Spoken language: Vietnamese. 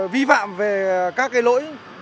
vi phạm về các lỗi